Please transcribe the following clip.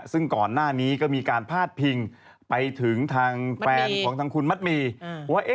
ซึ่งก่อนหน้านี้ก็มีการพาดพิงไปถึงทางแฟนของทางคุณมัดหมี่ว่า